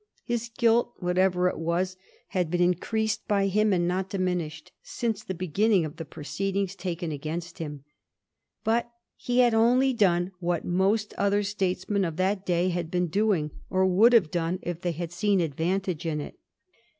His guilt, whatever it was, had been increased by him, and not diminished, since the beginning of the proceedings taken against him. But he had only done what most other statesmen of that day had been doing, or would have done if they had seen advantage in it.